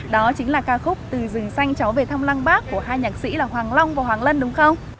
đó chính là ca khúc từ rừng xanh cháu về thăm lăng bác của hai nhạc sĩ là hoàng long và hoàng lân đúng không